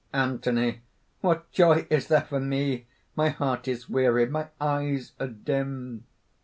ANTHONY. "What joy is there for me? My heart is weary; my eyes are dim!"